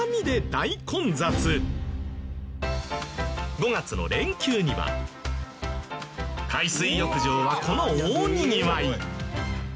５月の連休には海水浴場はこの大にぎわい。